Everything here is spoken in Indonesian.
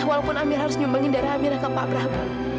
walaupun amira harus nyumbangin darah amira ke pak brahm